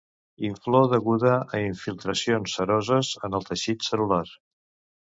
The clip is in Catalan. Inflor deguda a infiltracions seroses en el teixit cel·lular.